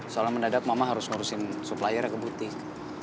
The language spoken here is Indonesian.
soalnya mendadak mama harus ngurusin suppliernya ke butik